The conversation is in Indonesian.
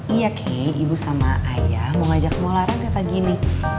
iya kay ibu sama ayah mau ajak kamu olahraga pagi ini